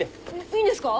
いいんですか？